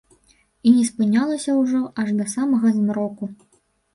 І не спынялася ўжо аж да самага змроку.